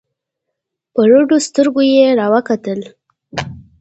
په رډو سترگو يې راوکتل.